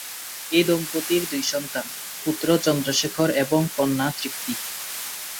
এই দম্পতির দুই সন্তান- পুত্র চন্দ্রশেখর এবং কন্যা তৃপ্তি।